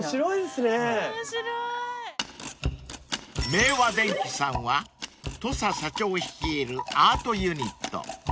［明和電機さんは土佐社長率いるアートユニット］